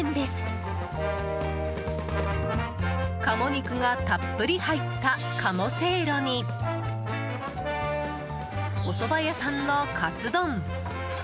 鴨肉がたっぷり入った鴨せいろにおそば屋さんのかつ丼。